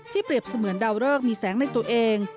เปรียบเสมือนดาวเริกมีแสงในตัวเอง